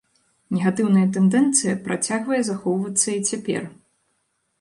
Негатыўная тэндэнцыя працягвае захоўвацца і цяпер.